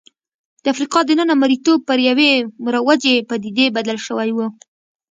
د افریقا دننه مریتوب پر یوې مروجې پدیدې بدل شوی و.